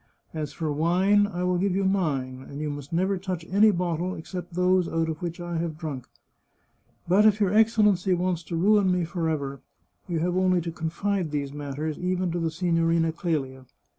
As for wine, I will give you mine, and you must never touch any bottle except those out of which I have drunk. But if your Excellency wants to ruin me forever, you have only to confide these matters even to the Signorina Clelia.